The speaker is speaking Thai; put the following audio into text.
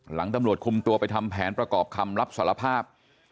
ตำรวจคุมตัวไปทำแผนประกอบคำรับสารภาพ